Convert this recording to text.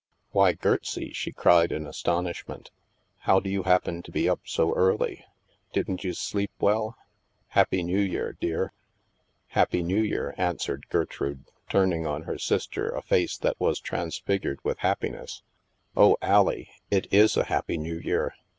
" Why, Gertsie," she cried, in astonishment, " how do you happen to be up so early ? Didn't you sleep well? Happy New Year, dear." " Happy New Year," answered Gertrude, turning on her sister a face that was transfigured with hap piness. " Oh, Allie, it is a Happy New Year.